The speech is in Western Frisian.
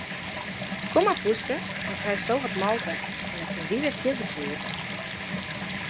Kom mar poeske, dan krijsto wat molke en dan kinne wy wer fierder sliepe.